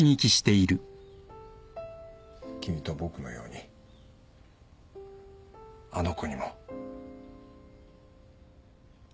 君と僕のようにあの子にも。